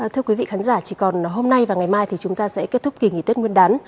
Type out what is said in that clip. thưa quý vị khán giả chỉ còn hôm nay và ngày mai thì chúng ta sẽ kết thúc kỳ nghỉ tết nguyên đán